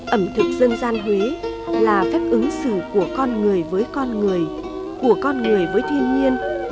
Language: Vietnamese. ẩm thực dân gian huế là phép ứng xử của con người với con người của con người với thiên nhiên